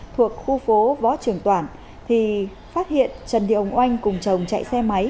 thuộc khu phố võ trường toản thì phát hiện trần thị hồng oanh cùng chồng chạy xe máy